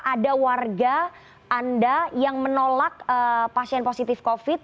ada warga anda yang menolak pasien positif covid